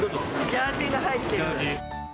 ジャージが入ってる。